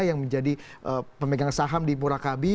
yang menjadi pemegang saham di purakabi